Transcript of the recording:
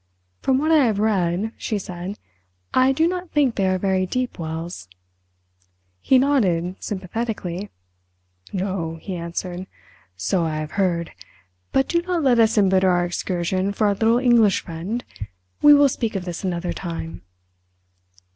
"From what I have read," she said, "I do not think they are very deep wells." He nodded sympathetically. "No," he answered, "so I have heard.... But do not let us embitter our excursion for our little English friend. We will speak of this another time."